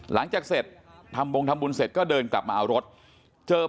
หลังจากเต็มบลงทำบุญเสร็จก็เดินกลับมาเอารถเจอพระรูปนี้ฮะ